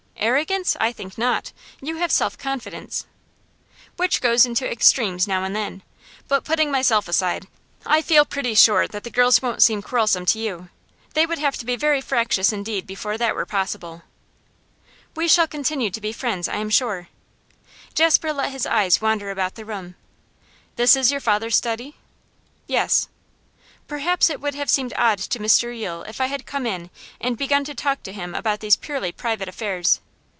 'Arrogance I think not. You have self confidence.' 'Which goes into extremes now and then. But, putting myself aside, I feel pretty sure that the girls won't seem quarrelsome to you; they would have to be very fractious indeed before that were possible.' 'We shall continue to be friends, I am sure.' Jasper let his eyes wander about the room. 'This is your father's study?' 'Yes.' 'Perhaps it would have seemed odd to Mr Yule if I had come in and begun to talk to him about these purely private affairs.